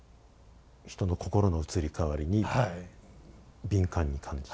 人の心の移り変わりに敏感に感じた。